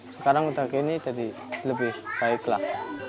sekarang udah gini jadi lebih baiklah